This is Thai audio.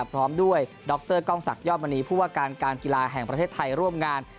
พร้อมด้วยดรกล้องศักดิยอดมณีผู้ว่าการการกีฬาแห่งประเทศไทยร่วมงาน